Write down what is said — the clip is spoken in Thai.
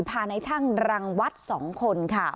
พานายช่างรังวัดสองคนค่ะ